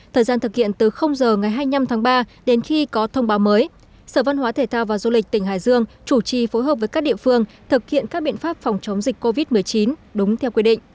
thời gian thực hiện từ giờ ngày hai mươi năm tháng ba đến khi có thông báo mới sở văn hóa thể thao và du lịch tỉnh hải dương chủ trì phối hợp với các địa phương thực hiện các biện pháp phòng chống dịch covid một mươi chín đúng theo quy định